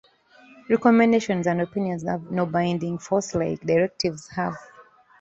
Recommendations and opinions have no binding force, like directives have.